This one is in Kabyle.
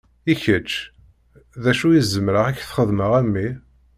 I kečč, d acu i zemreɣ ad k-t-xedmeɣ, a mmi?